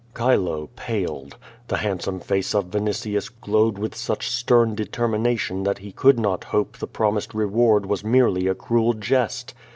Chilo paled. The handsome face of Vinitius glowed with such stern determination that he could not hope the pro mised reward was merely a cruel jest.